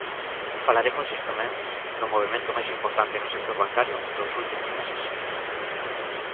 Falarémoslles tamén do movemento máis importante no sector bancario dos últimos meses.